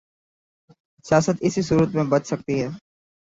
سیاست اسی صورت میں بچ سکتی ہے۔